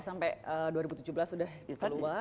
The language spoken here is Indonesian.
sampai dua ribu tujuh belas sudah keluar